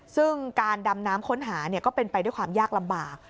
ซึ่งการดำน้ำค้นหาก็เป็นไปด้วยความยากลำบาก